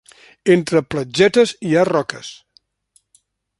Entre platgetes hi ha roques.